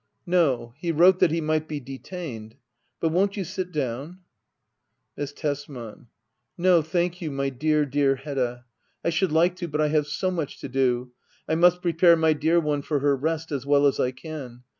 No. He wrote that he might be detained. But won't you sit down ? Miss Tesman. No thank you, my dear, dear Hedda. I should like to, but I have so much to do. I must prepare my dear one for her rest as well as I can.